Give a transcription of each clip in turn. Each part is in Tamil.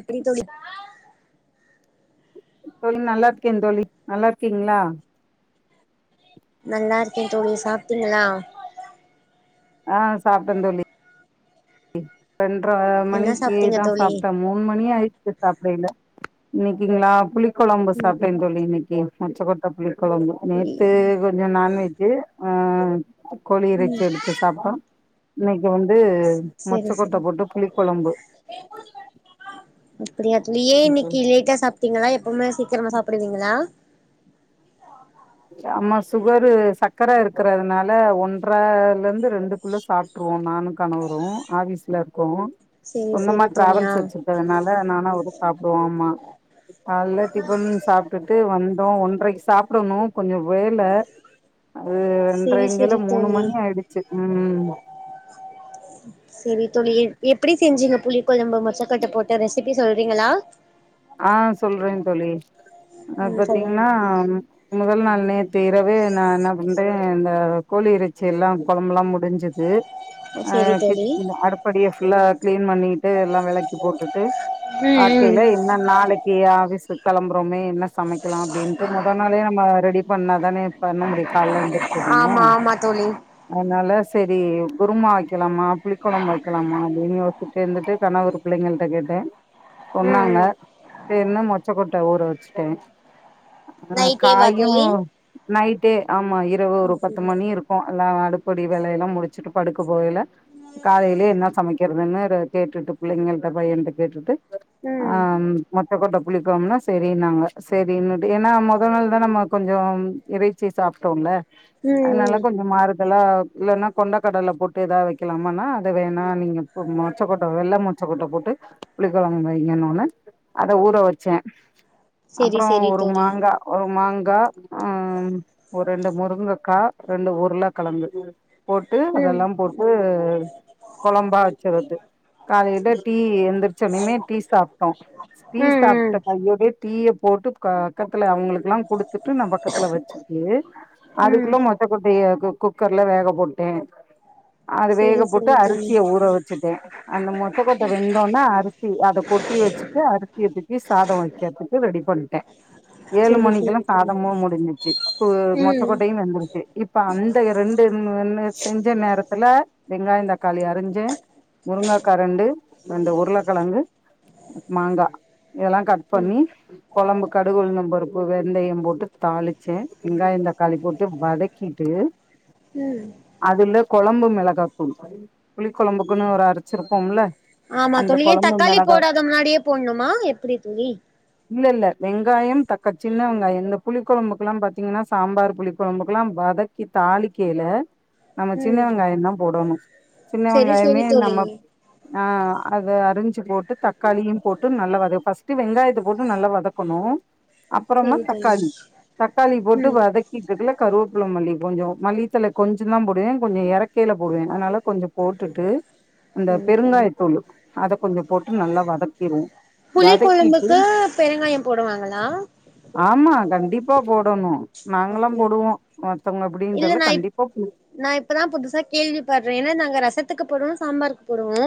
எப்டி தோழி தோழி நல்லா இருக்கே தோழி நல்லா இருக்கீங்ளா நல்லா இருக்கே தோழி சாப்ட்டீங்ளா ஆ சாப்ட்ட தோழி ரெண்ற என்ன மணிக்கி சாப்ட்டீங்க தா தோழி சாப்ட்ட மூண் மணி ஆய்ச்சி சாப்டையில இன்னிக்கிங்ளா புளி கொழம்பு சாப்ட்டே ம் தோழி இன்னிக்கி மொச்ச கொட்ட புளிக்கொழம்பு நேத்து கொஞ்சோ நான் வெஜ்ஜு அ கோழி இறைச்சி ம் எடுத்து சாப்ட்டோ இன்னைக் வந்து செரி மொச்ச கொட்ட செரி போட்டு புளி கொழம்பு இப்டி அப்டியே இன்னிக்கி லேட்டா சாப்ட்டீங்களா எப்பவுமே சீக்கிரமா சாப்டுவீங்களா ஆமா சுகரு சக்கர இருக்கறதுனால ஒன்ற லெந்து ரெண்டு குள்ள சாப்ட்ருவோ நானு கணவரும் ஆஃபீஸ்ல இருக்கோ செரி சொந்தமா செரி தோழி ஆ டிராவல்ஸ் வச்சிர்க் அதுனால நானு அவரு சாப்டுவோம் ஆமா காய்ல டிஃபன் சாப்ட்டுட்டு வந்தோ ஒன்றைக்கு சாப்டனோ கொஞ்சோ வேல அது செரி ரெண்றங்கல செரி மூணு தோழி மணி ஆய்டுச்சு ம் செரி தோழி எப்டி செஞ்சீங்க புளி கொழம்பு மொச்சக்கொட்ட போட்டு ரெசிபி சொல்றிங்ளா ஆ சொல்றன் தோழி அது ம் சொல்லுங்க பாத்திங்ன்னா முன்னதல் நாள் நேத்து இரவே நா என்ன பண்டே இந்த கோழி இறைச்சி எல்லா குழம்புலா முடிஞ்சத் து அ செரி கிச் தோழி இல அடுப் படிய ஃபுல்லா கிளீன் பண்ணிட்டு எல்லா வெளக்கி போட்டுட்டு ம் பாக்கயில ம் ஏன்னா நாளைக்கி ஆஃபீஸ்க் கெளம்புறோமே என்ன சமைக்கலா அப்டின்ட்டு மொத நாளே நம்ம ரெடி பண்ணாதானே பண்ண முடியு கால்ல எந்தரச்சதையு ஆமா ஆமா தோழி அதனால சேரி குருமா வைக்கலாமா புளி கொழம்பு வைக்கலாமா அப்டின்னு ஒரு சுற்றி வந்துட்டு கணவர் புள்ளைங்கள்ட்ட கேட்டே ம் சொன்னாங்க ம் சேரின்னு மொச்ச கொட்ட ஊற வச்சுட்டே ஆ நைட்டேவா காயு தோழி நைட்டே ஆமா இரவு ஆ ஒரு பத்து செரி மணி செரி இருக்கு எல்லா அடுப்படி வேலையெல்லா முடிச்சுட்டு படுக்க போகையில காலையிலே என்ன சமைக்கிறதுன்னு ரெ கேட்டுட்டு புள்ளைங்கள்ட்ட பையன்ட்ட கேட்டுட்டு ம் ஆம் மொ ச்சக்கொட்ட புளிக்கொழம்னா சேரின்னாங்க சேரின்னுட்டு ஏன்னா மொத நாள் தா நம்ப கொஞ்சோ இறைச்சி சாப்ட்டோம்ல ம் அதனால ம் கொஞ்சோ மாறு தலா இல்லன்னா கொண்டக்கடல போட்டு எதாது வைக்கலாமான்னா அத வேணா நீங்க போ மொ ச்சைக்கொட்ட வெள்ளை மொச்ச கொட்ட போட்டு புளிக்கொழம்பு வைங்கன்னோன்ன அத ஊற வச்சே செரி அப்றோ செரி ஒரு தோழி மாங்கா ஒரு மாங்கா ஆ ஒரு ரெண்டு முருங்கக்கா ரெண்டு உருள கெழங்கு போட்டு ம் அதெல்லா போட்டு கொழம்பா வச்சுறது காலையில டீ எந்திரிச்சோனோயுமே டீ சாப் டோ டீ ம் ம் சாப்ட்ட கையோடய டீயே போட்டு பக்கத்துல அவுங்களுகெல்லா குடுத் துட்டு நா பக்கத்துல வச்சுட்டு ம் அதுக்குள்ள மொச்ச கொட்டைய குக் குக்கர்ல வேக போட்டே அது செரி வேக போட்டு செரி தோழி அரிசிய ஊற வச்சுட்டே அந்த மொச்ச கொட்ட வெந்தோனா அரிசி அத கொட் டி வச்சிட்டு அரிசிய தூக்கி சாதோ வைக்கிறதுக்கு ரெடி பண்ணிட்டே ஏழு செரி மணிக்கெல்லா செரி தோழி சாதமு முடிஞ்சிச்சு கு ம் மொச்சக்கொட்டயு வெந்துருக்கு இப்ப அந்த ரெண்டு இன்னு இன்னு செஞ்ச நேரத்துல வெங்காயோ தக்காளி அரிஞ்சே முருங்கக்கா ரெண்டு ரெண்டு உருளகெழங்கு மாங்கா இதல்லா கட் ம் பண்ணி கொழம்பு கடுகு உளுந்தம் பருப்பு வெந்தயம் போட்டு தாளிச்சே வெங்காயோ தக்காளி போட்டு வதக்கிட்டு ம் அதுல கொழம்பு மிளகா தூள் புளி கொழம்புக்குன்னு ஒரு அரச்சுருப்போம்ல ஆமா தோழி ஏ தக்காளி போடாத முன்னாடியே போன்ணுமா எப்டி தோழி இல்லல்ல வெங்காயம் தக் சின்ன வெங்காயம் இந்த புளி கொழம்புகுல்லா பாத்திங்ன்னா சாம்பார் புளி கொழம்புகல்லா வதக் கி தாளிக்கையில்ல நம்ப சின்ன ம் வெங்காயோ தா போடணு சின்ன செரி வெங்காயமே செரி தோழி நம்ம ஆ அத அரிஞ்சு போட்டு தக் காளியு போட்டு நல்லா வத ஃபர்ஸ்ட்டு வெங்காயத்த போட்டு நல்லா வதக்கணு அப்றமா செரி தோழி தக்காளி தக்காளி போட்டு ம் வதக் கிட்டுருக்கள்ள கருவேப்புல மல்லி கொஞ்சோ மல்லிதல கொஞ்சோ தா போடுவே கொஞ்சோ எறக்கையில போடுவே அதனால கொஞ்சோ போட்டுட்டு அந்த செரி தோழி பெருங்காயத்தூள் அத கொஞ்சோ போட்டு நல்லா வதக்கிருவோ புளி வதக்கிட்டு கொழம்புக்கு பெருங்காயோ போடுவாங்ளா ஆமா கண்டிப்பா போடணு நாங்கல்லா அப்டி போடுவோ மத்தவங்க எப்டின்னு இல்ல தெர்ல நா இப் கண்டிப்பா பு நா இப்ப தா புதுசா கேள்வி பட்றே ஏன்னா நாங்க ரசத்துக்கு போடுவோ சாம்பாருக்கு போடுவோ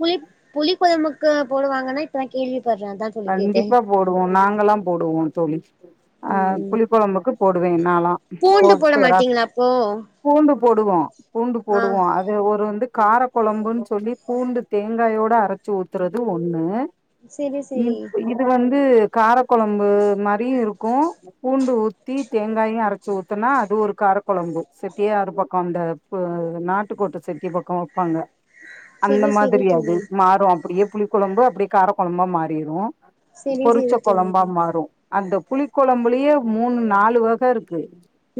புளிப் புளிகொழம்புக்கு போடுவாங்கனா இப்ப தா கேள்விப்படுறே அதா தோழி கேட்டே கண்டிப்பா போடுவோ நாங்கல்லா போடுவோ தோழி ஆ ம் புளி கொழம்புக்கு போடுவே நால்லா பூண்டு போட மாட்டீங்ளா அப்போ பூண்டு போடுவோம் பூண்டு ஆ போடுவோம் அது ஒரு வந்து கார குழம்புன்னு சொல்லி பூண்டு தேங்காயோட அரச்சு ஊத்துறது ஒண்ணு செரி இ செரி இது வந்து காரக்குழம்பு மாதிரியும் இருக்கும் பூண்டு ஊத்தி தேங்காயும் அரைச்சு ஊத்துனா அது ஒரு காரக்குழம்பு செட்டியாறு பக்கம் அந்த நாட்டுக்கோட்ட செட்டி பக்கம் வப்பாங்க அந்த செரி செரி மாதிரி அது தோழி மாறும் அப்படியே புளி குழம்பு அப்படியே கார குழம்பா மாறிடும் செரி பொறிச்ச செரி தோழி குழம்பா மாறும் அந்த புளி குழம்புலயே மூணு நாலு வக இருக்கு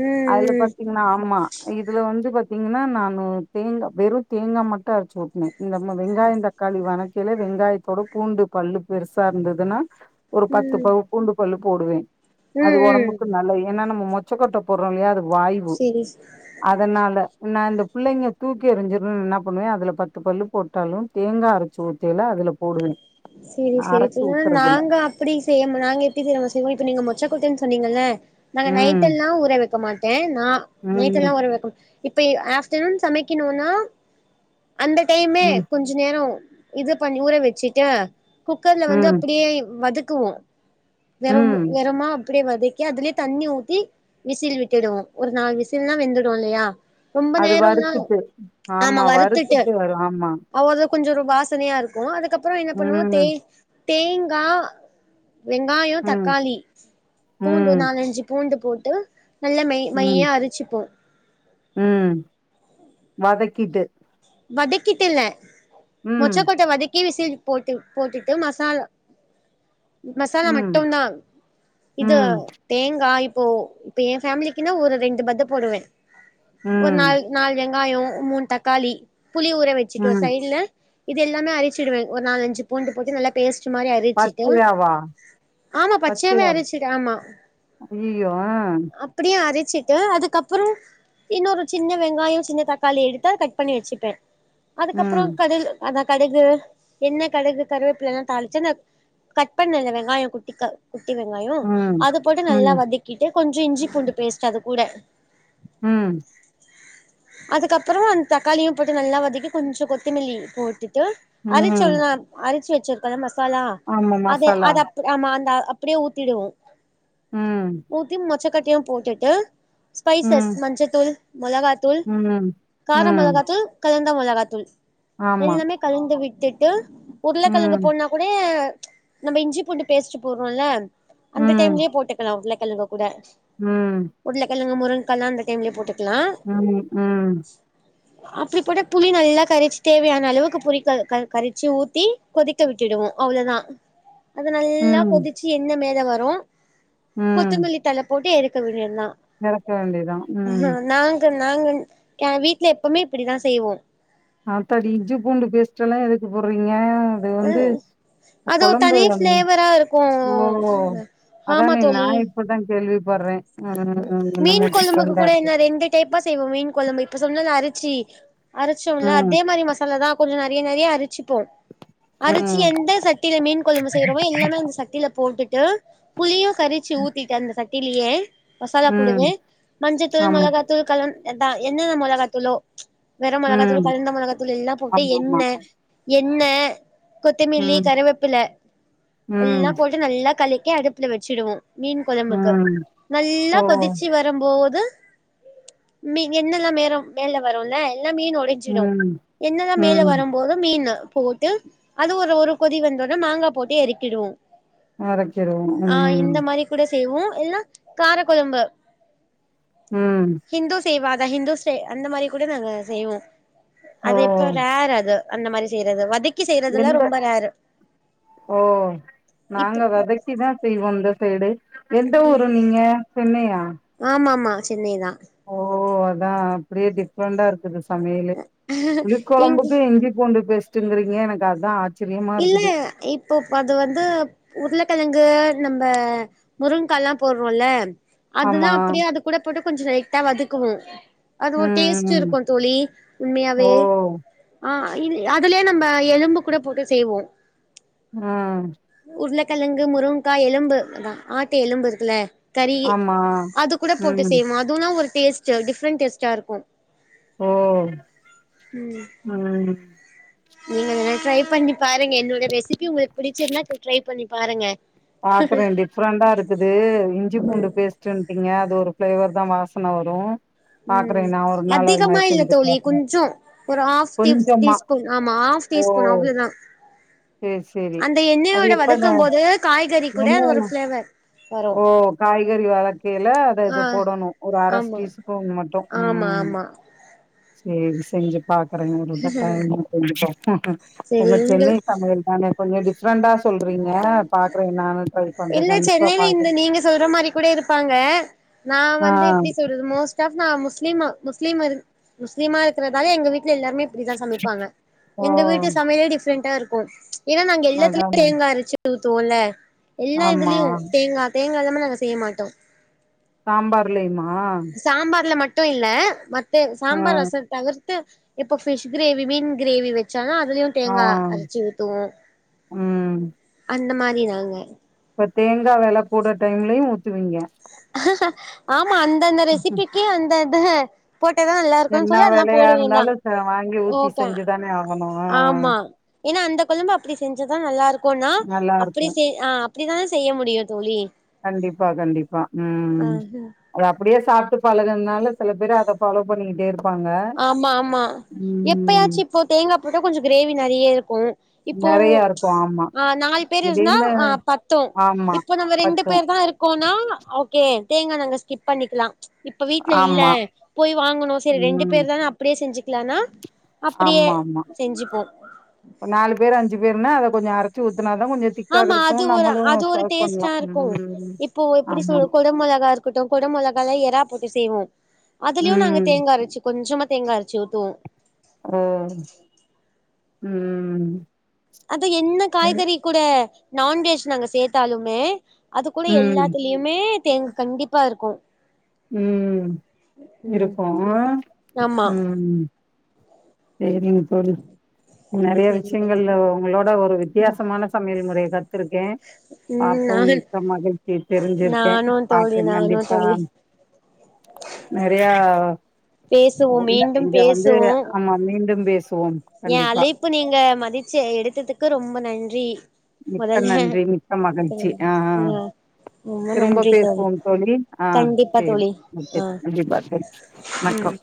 ம் அதுல ம் பாத்தீங்கன்னா ஆமா இதுல வந்து பாத் த்தீங்கன்னா நானு தேங்கா வெறும் தேங்கா மட்டும் அரச்சு ஊத்துவே இந்த வெங்காயம் இந்த தக்காளி வணக்கில வெங்காயத்தோட பூண்டு பல்லு பெருசா இருந்ததுன்னா ஒரு பத்து ம் பகு பூண்டு பல்லு போடுவேன் அது ம் ம் உடம்புக்கு நல்ல ஏனா நம்ம மொ மொச்சக்கொட்ட போடுறோம் இல்லையா அது வாய்வு செரி அதனால நா இந்த பிள்ளைங்க தூக்கி எரிஞ்சிரன்னு என்ன பண்ணுவேன் அதுல பத்து பல்லு போட்டாலும் தேங்கா அரைச்சு ஊத்தையில அதுல போடுவேன் சேரி சேரி அரைச்சு ஊத்துறதுல நாங்க எப்படி செய்ய நாங்க எப்படி செய் செய்வோம் இப்ப நீங்க மொச்சக்கொட்டன்னு சொன்னீங்கல்ல நாங்க ம் நைட்டெல்லாம் ஊற வைக்க மாட்டேன் நா நைட்டெல்லா ம் ஊற வக்க இப்ப ஆஃப்டர்நூன் சமைக்கணுனா அந்த டைமே ம் கொஞ்சோ கொஞ்ச நேரம் இது பண்ணி ஊற வச்சுட்டா குக்கர்ல வந்து ம் அப்படியே வதக்குவோம் வெறம் ம் வெறமா அப்படியே வதக்கி அதுலயே தண்ணி ஊத்தி விசில் விட்டுடுவோம் ஒரு நாலு விசில்னா வெந்துடும் இல்லையா ரொம்ப அது நேரம்ல்லாம் வறுத்துட்டு ஆமா வறுத்துட்டு அவ கொஞ்சோ ஒரு வாசனையா இருக்கு அதுக்கப்புறம் என்ன பண்ணுவோம் தே ம் தேங்கா வெங்காயம் ம் தக்காளி பூண்டு ம் நாலஞ்சு பூண்டு போட்டு நல்லா மை மையாக அரச்சிப்போம் உம் வதக்கிட்டு வதக்கிட்டு இல்ல ம் மொச்சக்கொட்ட வதக்கி விசில் போட்டு போட்டுட்டு மசாலா மசாலா ம் மட்டும் தான் இது ம் தேங்காய் இப்போ இப்போ என் ஃபேமிலிக்குன்னா ஒரு ரெண்டு பத்து போடுவேன் ஒரு ம் நால் நாலு வெங்காயம் மூணு தக்காளி புளி ஊற வச்சுட்டோ ம் சைடுல இது எல்லாமே அரச்சிடுவேன் ஒரு நாலஞ்சு பூண்டு போட்டு நல்லா பேஸ்ட்டு மாதிரி அரச்சிட்டு பச்சையாவா ஆமா பச்சயாவே பச்சையாவா அரச்சிடு ஆமா ஐயோ அப்படியும் அரச்சிட்டு அதுக்கப்புறம் இன்னொரு சின்ன வெங்காயம் சின்ன தக்காளி எடுத்தா கட் பண்ணி வச்சு ப்பேன் ம் அதுக்கப்புறம் கடல் அதான் கடுகு எண்ண கடுகு கருவேப்பிலல்லா தாளிச்சி கட் பண்ணல வெங்காயம் குட்டிக்கா குட்டி வெங்காயம் ம் அது போட்டு ம் நல்லா ம் வதக்கிட்டு கொஞ்சோ இஞ்சி பூண்டு பேஸ்ட் அது கூட ம் அதுக்கப்புறம் அந்த தக்காளியும் போட்டு நல்லா வதக்கி கொஞ்சோ கொத்தமல்லி போட்டுட்டு ம் அரைச்சோல்ல அரைச்சு வச்சிருக்கல்ல மசாலா ஆமா அத மசாலா அத ஆமா அந்த அப்படியே ஊத்திடுவோம் ம் ஊத்தி மொச்சக்கட்டயும் போட்டுட்டு ஸ்பைசஸ் ம், மஞ்சத்தூள் மிளகா தூள் ம், கார ம். மிளகாத்தூள் கலந்த மிளகாத்தூள் ஆமா. எல்லாமே கலந்து விட்டுட்டு உருளை கழங்கு ம், போட்னா கூடய நம்ம இஞ்சி பூண்டு பேஸ்ட் போட்றோல்ல அந்த ம், டைம்லயே போட்டுக்கலா உருள கெழங்கு கூட ம் உருள கெழங்கு முருங்காலா அந்த டைம்லயே போட்டுக்கலா நாமினி ம் இப்டி போட்டா புளி நல்லா கரச் தேவையான அளவுக்கு புளி க க கரச்சு ஊத்தி கொதிக்க விட்டுடுவோ அவ்ளோதா அது நல்லா ம், கொதிச்சு எண்ண மேல வரு ம். கொத்தமல்லி தல போட்டு எறக்க வேண்டியதுதா இறக்க வேண்டியதுதான். ம். நா க நாங்க நா வீட்ல எப்பம்மே இப்பிடிதா செய்வோ ஆத்தாடி இஞ்சி பூண்டு பேஸ்ட்ல்லா எதுக்கு போடுறீங்க அது வந்து அது ஒரு கொழம்பு தனி தான ஃபிளேவரா ஓ இருக்கு ஆமா அதானே நா தோழி இப்பதா கேள்விபற்றே ம் எனக் என்னமோ டிஃப்ரண்டா இருக்கு டேப்பா செய்வோ மீன் கொழம்பு இப்ப சொன்னத அரிச்சி அரச்சோம்ல ம், அதே மாரி மசாலா தா கொஞ்சொ நெறைய நெறைய அரிச்சிப்போம் அரிச்சி ம், எந்த சட் டில மீன் கொழம்பு செய்ரமோ இல்லனா இந்த சட்டில போட்டுட்டு புளியு கரிச்சி ஊத்திட்டு அந்த சட் டிலயே மசாலா ம். கூடவே மஞ்சத்தூள் ஆமா. மொளகாத்தூள் களம் அதா என்னென்ன மொளகாத்தூளோ கரம் ம். மொளகாத்தூள் கலந்த மொளகாத்தூள் எல்லா போட்டு எண்ண ஆமாமா. எண்ண கொத்தமல்லி ம், கருவேப்பில ம், எல்லா போட்டு நல்லா கலக்கி அடுப்புல வச்சுடுவோ மீன் கொழம்புக்கு ம். நல்லா ஓ! கொதி சு வரம்போது மீ எண்ணல்லா மேல மேல வருல்ல எல்லா மீனோடை சுடு ம், எண்ணல்லா மேல ம். வரும் போது மீன போட்டு அது ஒரு ஒரு கொதி வந்தோனே மாங்கா போட்டு எறக்கிடுவோ இறக்கிருவோம். ஆ இந்த ம், மாரி கூட செய்வோ இல்லனா காரக்கொழம்பு ம் ஹிந்து செய்வாக ஹிந்துசே அந்த மாரி கூட நாங்க செய்வோ அது ஓ! இப்ப ரேர் அது அந்த மாரி செய்றது வதக் எந்த ஓ இப்போ நாங்க வதைக் கிதா செய்வோ இந்த சைடு எந்த ஊரு நீங்க சென்னையா ஆமா ஆமா சென்னைதா ஓ அதா அப்டியே டிஃப்ரண்டா இருக்குது சமையலு இங் புளிக்கொழம்புக்கு இஞ்சி பூண்டு பேஸ்ட்டுங்கிறீங்க எனக்கு அதா ஆச்சரியமா இல்ல இருக்குது இப்போப் அது வந்து உருளக்கெழங்கு நம்ப முருங்கால்லா போட்றோல்ல அதுதா ஆமா அப்டியே அது கூட போட்டு கொஞ்ச லைட்டா வதக்குவோ அது ஒரு ம் டேஸ்ட் ம் இருக்கு தோழி ஓ உண்மையாவே ஆ இல் அதுலயே நம்ப எலும்பு கூட போட்டு செய்வோ அ உருளக்கெழங்கு முருங்க்கா எலும்பு அதா ஆட்டு எலும்பு இருக்குல கறி ஆமா அது கூட போட்டு ம் செய்வோ அதுவுலா ஒரு டேஸ்ட் டிஃப்ரெண்ட் டேஸ்ட்டா இருக்கு ஓ ம் நீங்க வேனா ட்ரை பண்ணி பாருங்க என்னோட ரெசிபி உங்களுக் புடுச்சிருந்தா ட்ரை பண்ணி பாருங்க பாக்குறே டிஃப்ரண்டா இருக்குது இஞ்சி பூண்டு பேஸ்ட் டுன்ட்டீங்க அது ஒரு ஃபிளேவர் தா வாசன வரு பாக்குறே ம் நா ஒரு நாள் அது அதிகமா மாரி இல்ல செஞ்சு தோழி பாக்குறே கொஞ்சோ ஒரு ஆஃப் டீஃப் கொஞ்சமா டீஸ் ஸ்பூன் ஆமா ஹாஃப் டீஸ்பூன் அவ்ளோதா யேஸ் அந்த எண்ணெவோட வதக்கும் போது காய்கறி கூட அது ஒரு ஃபிளேவர் வரு ஓ காய்கறி வதக்கைல த இத ஆ போடோணு ஒரு அர ஆமா டீஸ்பூன் மட்டும் ஆமா ம் ஆமா செரி செஞ்சு பாக்குறேன் [unintelligible] செரி உங்க சென்னை உங்கள் சமையல் தாங்க கொஞ்ஜோம் டிஃப்ரெண்டா சொல்றீங்க பாக் இல்ல சென்னைல இந்த நீங்க சொல்ற மாரி கூட இருப் ப்பாங்க நா ஆ வந்து இப்டி சொல் மோஸ்ட் ஆஃப் நா முஸ்லீமு முஸ்லீம் முஸ்லிமா இருக்றதால எங்க வீட்ல எல்லாருமே இப்டிதா சமைப்பாங்க ஓ எங்க வீட்டு சமையல் டிஃப்ரெண்டா இருக்கும் ஏன்னா நாங்க எல்லாத்துலயு அதான அரைச்சு ஊத்துவோல்லே எல்லா ஆமா இதுலயும் தேங்கா தேங்கா இல்லாம நாங்க செய்ய மாட்டோம் சாம்பார்லையுமா சாம்பார்ல மட்டும் இல்ல மத்த ஆ சாம்பார் ரசம் தவிர்த்து இப்போ ஃபிஷ் கிரேவி மீன் கிரேவி வச்சாலும் அதுலயும் ஆ தேங்கா அரைச்சு ஊத்துவோம் ம் அந்த மாரி நாங்க இப்ப தேங்காய் வெல கூட டைம்லையும் ஊத்துவீங்க ஆமா அந்தந்த ரெசிபிக்கி அந்த அத போட்டதான் நல்லா இருக்கும்ன்னு என்ன சொல்லி அதெல்லாம் வேலையா போடுவேன் இருந்தாலு தான் ச வாங்கி ஊத்தி ஓகே செஞ்சுதானே ஆகணு ஆ ஆமா ஏன்னா அந்த கொழம்பு அப்டி செஞ்சதான் நல்லா இருக்கும்னா நல்லா அப்டி இருக்கு செய் அ அப்டித்தான செய்ய முடியும் தோழி கண்டிப்பா கண்டிப்பா ம் ஆஹ அத அப்டியே சாப்ட்டு பழகுதுனாலு செல பேர் அத ஃபாலோ பண்ணிக்கிட்டே இருக் ஆமா ஆமா எப்பயாச்சும் இப்போ தேங்கா போட்டா கொஞ்சம் கிரேவி நெறைய இருக்கும் இப்போம் நெறையா இருக்கு ஆமா அ நாலு பேர் இருந்தா திடீர்னு அ பத்தும் ஆமா இப்போ நம்ப ரெண்டு பத்து பேர் தான் இருக் இருக்கோம்னா ஓகே தேங்கா நாங்க ஸ்கிப் பண்ணிக்கலாம் இப்ப வீட்ல இல்ல ஆமா போய் வாங்கணும் செரி ரெண்டு ம் பேர் தான அப்டியே செஞ்சுக்கலானா அப்டியே ஆமா ஆமா செஞ்சுப்போ ஒரு நாலு பேரு அஞ்சு பேருனா அத கொஞ்சம் அரைச்சி ஊத்துனாதான் கொஞ்சம் திக்கா ஆமா அது இருக்கும் ஒரு நம்மளும் அது ஒரு சர்வ் டேஸ்ட்டா பண்ணலாம் இருக்கு ம் இப்போ எப்டி ஆமா சொல்ல கொட மிளகா இருக் கொடம் கொட மொலகால எறா போட்டு செய்வோம் அது வியும் நாங்க ம் தேங்கா அரைச்சு கொஞ்சமா தேங்கா அரச்சு ஊத்துவோம் ஓ உம் அது என்ன காய்கறி கூட நான்வெஜ் நாங்க சேத்தாலுமே அது கூட ம் எல்லாத்துலியும் மே தேங்கா கண்டிப்பா இருக்கும் ம் ம் இருக்கொம் ஆமா ம் சேரிங்க தோழி நறைய சரிங்க விஷயங்கள்ல உங்களோட ஒரு வித்தியாசமான சமையல் மொறைய கத் துருக்கேன் ம் பாப்போம் நான் மிக்க மகிழ்ச்சி தெரிஞ்சிருக்கேன் நானு தோழி பாப்போன் நானு கண்டிப்பா தோழி நெறயா பேசுவோ இங் மீண்டும் இங்க வந்து நாம் மீண்டும் பேசுவோம் என் கண்டிப்பா அழைப்ப நீங்க மதிச்சு எடுத்ததுக்கு ரொம்ப நன்றி மிக்க முதல்ல நன்றி மிக்க மகிழ்ச்சி ம் ஆ ஆ ரொம்ப திரும்ப நன்றி தோழி பேசுவோம் ஆ கண்டிப்பா சேரி தோழி ஓகே அ கண்டிப்பா தோழி வணக்கம் ம்